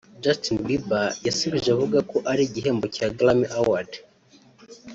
Justin Bieber yasubije avuga ko ari igihembo cya Grammy Award